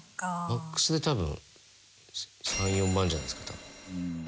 マックスで多分３４万じゃないですか。